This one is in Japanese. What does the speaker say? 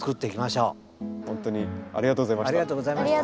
ほんとにありがとうございました。